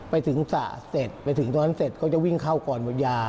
ไปถึงสระเสร็จไปถึงตรงนั้นเสร็จเขาจะวิ่งเข้าก่อนหมดยา